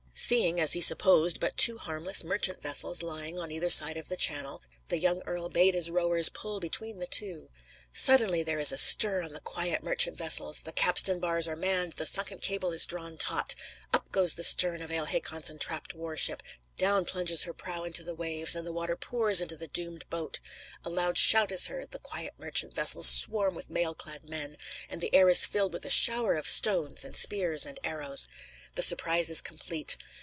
Seeing, as he supposed, but two harmless merchant vessels lying on either side of the channel, the young earl bade his rowers pull between the two. Suddenly there is a stir on the quiet merchant vessels. The capstan bars are manned; the sunken cable is drawn taut. Up goes the stern of Earl Hakon's entrapped warship; down plunges her prow into the waves, and the water pours into the doomed boat. A loud shout is heard; the quiet merchant vessels swarm with mail clad men, and the air is filled with a shower of stones, and spears, and arrows. The surprise is complete.